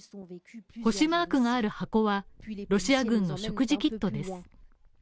星マークがある箱は、ロシア軍の食事キットです。